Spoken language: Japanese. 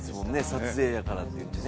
撮影やからっていってね